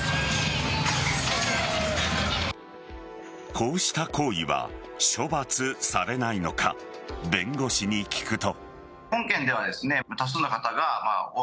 こうした行為は処罰されないのか弁護士に聞くと。